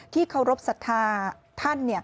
เคารพสัทธาท่าน